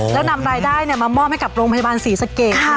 แล้วนำรายได้มามอบให้กับโรงพยาบาลศรีสะเกดค่ะ